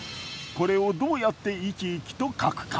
これをどうやって生き生きと描くか。